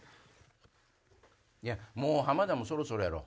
もう浜田もそろそろやろ。